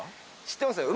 知ってますよ。